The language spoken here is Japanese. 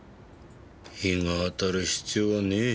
日が当たる必要はねえ。